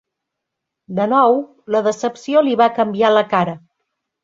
De nou, la decepció li va canviar la cara.